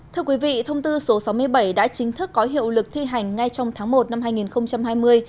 thưa quý vị thông tư số sáu mươi bảy đã chính thức có hiệu lực thi hành ngay trong tháng một năm hai nghìn hai mươi